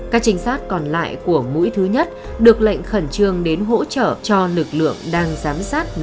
các trinh sát còn lại của mũi thứ nhất được lệnh khẩn trương đến hỗ trợ cho lực lượng đang giám sát nhà đinh văn tân